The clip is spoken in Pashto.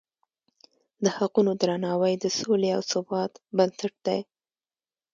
د حقونو درناوی د سولې او ثبات بنسټ دی.